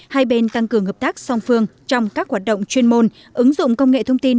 hai bên tăng cường hợp tác song phương trong các hoạt động chuyên môn ứng dụng công nghệ thông tin